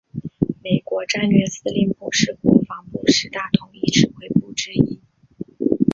美国战略司令部是国防部十大统一指挥部之一。